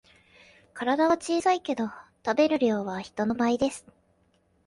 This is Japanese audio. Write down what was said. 体は小さいけど食べる量は人の倍です